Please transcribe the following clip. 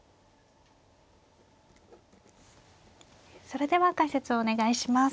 それでは解説をお願いします。